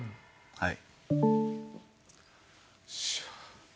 はい。